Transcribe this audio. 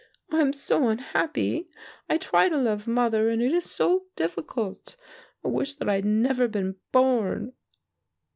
"Oh, I am so unhappy. I try to love mother and it is so difficult. I wish that I had never been born."